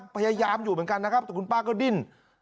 พยายามอยู่เหมือนกันนะครับแต่คุณป้าก็ดิ้น